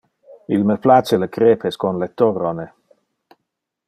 Il me place le crepes con le torrone.